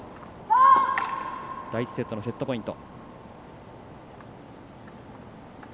第１セットのセットポイント。